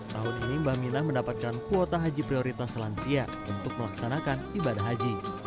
tahun ini mbah mina mendapatkan kuota haji prioritas lansia untuk melaksanakan ibadah haji